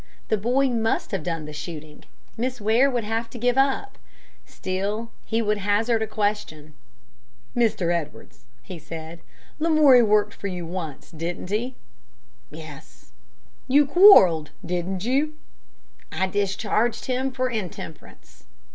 The boy must have done the shooting. Miss Ware would have to give it up. Still, he would hazard a question. "Mr. Edwards," he said, "Lamoury worked for you once, didn't he?" "Yes." "You quarreled, didn't you?" "I discharged him for intemperance."